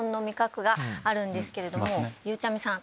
ゆうちゃみさん